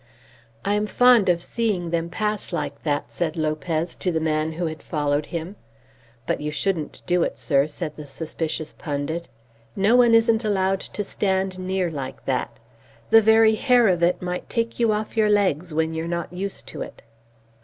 "I am fond of seeing them pass like that," said Lopez to the man who had followed him. "But you shouldn't do it, sir," said the suspicious pundit. "No one isn't allowed to stand near like that. The very hair of it might take you off your legs when you're not used to it."